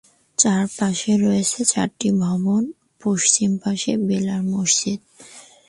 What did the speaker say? চারপাশে রয়েছে চারটি ভবন পশ্চিম পাশে বেলাল মসজিদ।